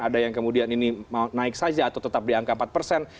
ada yang kemudian ini naik saja atau tetap di angka empat persen